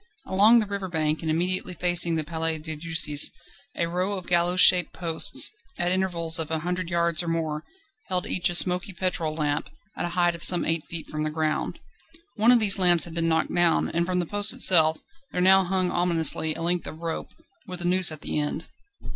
Along the river bank, and immediately facing the Palais de Justice, a row of gallows shaped posts, at intervals of a hundred yards or more, held each a smoky petrol lamp, at a height of some eight feet from the ground. One of these lamps had been knocked down, and from the post itself there now hung ominously a length of rope, with a noose at the end.